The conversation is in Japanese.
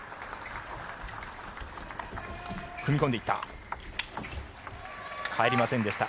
踏み込んでいった。